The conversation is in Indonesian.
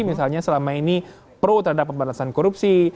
misalnya selama ini pro terhadap pembatasan korupsi